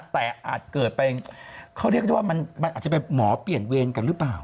แต่อาจเกิดไปเขาเรียกได้ว่ามันอาจจะเป็นหมอเปลี่ยนเวรกันหรือเปล่า